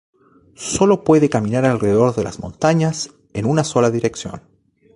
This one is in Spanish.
Solo puede caminar alrededor de las montañas en una sola dirección.